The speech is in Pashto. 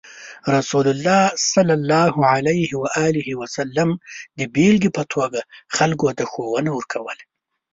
رسول الله صلى الله عليه وسلم د بیلګې په توګه خلکو ته ښوونه ورکوله.